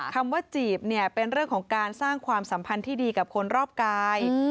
คำว่าจีบเนี่ยเป็นเรื่องของการสร้างความสัมพันธ์ที่ดีกับคนรอบกาย